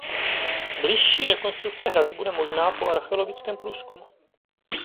Bližší rekonstrukce hradu bude možná po archeologickém průzkumu.